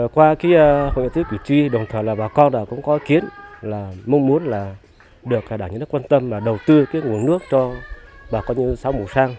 qua cái hội tiết cử tri đồng thời là bà con cũng có ý kiến là mong muốn là được đảm nhận các quan tâm là đầu tư cái nguồn nước cho bà con như xã mù sang